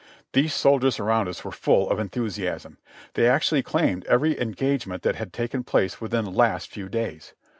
These soldiers around us were full of enthusi asm, they actually claimed every engagement that had taken place within the last few days.